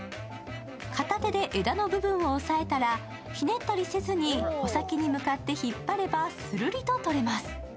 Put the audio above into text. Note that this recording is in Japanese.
片手で枝の部分を押さえたらひねったりせずに、穂先に向かって引っ張ればするりと取れます。